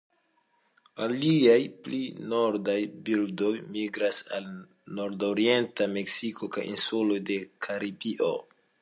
Aliaj pli nordaj birdoj migras al nordorienta Meksiko kaj insuloj de Karibio.